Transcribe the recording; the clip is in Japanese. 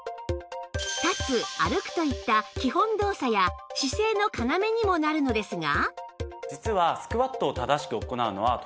立つ歩くといった基本動作や姿勢の要にもなるのですが